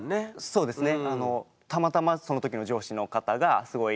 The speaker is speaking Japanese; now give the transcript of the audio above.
そうですね。